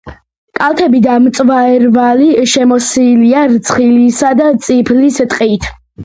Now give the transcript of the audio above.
კალთები და მწვერვალი შემოსილია რცხილისა და წიფლის ტყით.